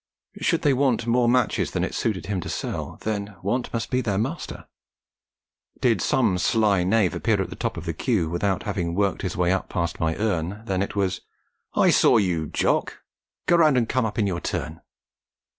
Should they want more matches than it suited him to sell, then want must be their master; did some sly knave appear at the top of the queue, without having worked his way up past my urn, then it was: 'I saw you, Jock! Go round and come up in your turn!'